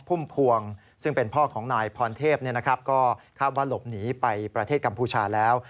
พู่เภวงซึ่งเป็นท่อของนายพอลเทพเนี่ยนะครับก็เข้าบ้านหลบหนีไปประเทศกัมพูชาแล้ว